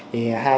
hai tác nhân này